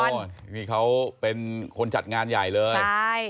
นี่เขาเป็นคนจัดงานใหญ่เลยใช่